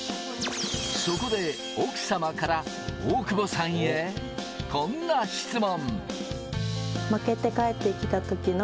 そこで奥様から大久保さんへこんな質問。